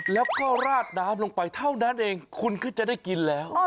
แล้วก็ราดน้ำลงไปเท่านั้นเองคุณก็จะได้กินแล้ว